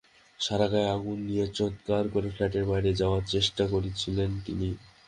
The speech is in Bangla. সারা গায়ে আগুন নিয়ে চিৎকার করে ফ্ল্যাটের বাইরে যাওয়ার চেষ্টা করছিলেন তিনি।